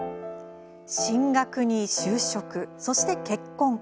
進学に就職、そして結婚。